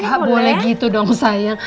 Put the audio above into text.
gak boleh gitu dong sayang